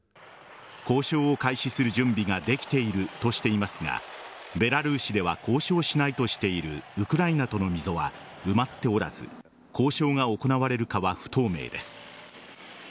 交渉を開始する準備ができているとしていますがベラルーシでは交渉しないとしているウクライナとの溝は埋まっておらず交渉が行われるかは不透明です。